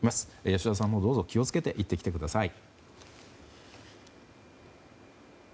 吉田さんもどうぞ気を付けて行ってきてください。